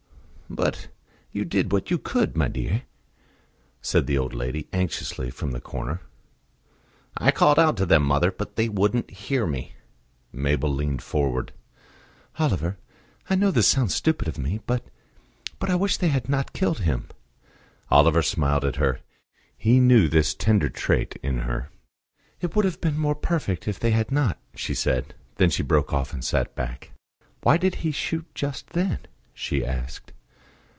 "But you did what you could, my dear?" said the old lady, anxiously, from her corner. "I called out to them, mother, but they wouldn't hear me." Mabel leaned forward "Oliver, I know this sounds stupid of me; but but I wish they had not killed him." Oliver smiled at her. He knew this tender trait in her. "It would have been more perfect if they had not," she said. Then she broke off and sat back. "Why did he shoot just then?" she asked.